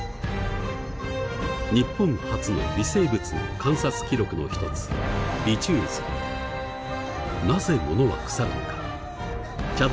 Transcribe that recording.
日本初の微生物の観察記録の一つなぜ物は腐るのか茶